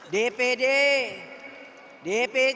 jalur pembangsa indonesia